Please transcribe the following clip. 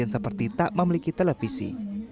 seperti tak memiliki televisi